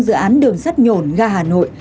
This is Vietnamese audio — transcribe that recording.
dự án đường sắt nhổn gà hà nội